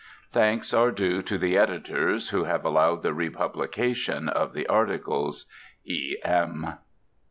Thanks are due to the Editors who have allowed the republication of the articles. E. M.